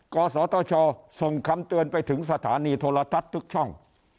กศตชส่งคำเตือนไปถึงสถานีโทรทัศน์ทุกช่อง